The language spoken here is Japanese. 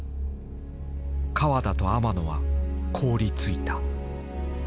河田と天野は凍りついた。